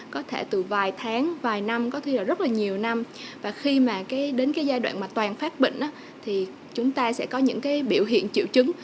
có thể từ vài tháng vài năm có thể là rất là nhiều năm và khi mà đến cái giai đoạn mà toàn phát bệnh thì chúng ta sẽ có những cái biểu hiện triệu chứng